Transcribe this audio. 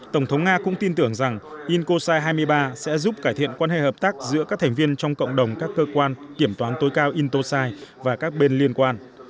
tổng thống nga cũng tin tưởng rằng intosai hai mươi ba sẽ giúp cải thiện quan hệ hợp tác giữa các thành viên trong cộng đồng các cơ quan kiểm toán tối cao intosai và các bên liên quan